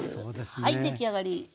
はい出来上がり。